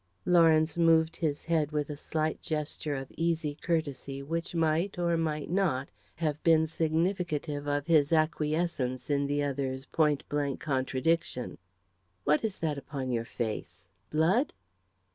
Lawrence moved his head with a slight gesture of easy courtesy, which might, or might not, have been significative of his acquiescence in the other's point blank contradiction. "What is that upon your face blood?"